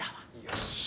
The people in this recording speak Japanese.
よし。